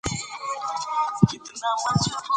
نورستان د افغانستان د اقتصادي ودې لپاره ارزښت لري.